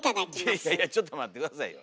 いやいやいやちょっと待って下さいよ。